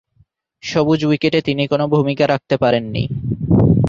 সবুজ উইকেটে তিনি কোন ভূমিকা রাখতে পারেননি।